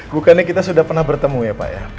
bukannya kita sudah pernah bertemu ya pak ya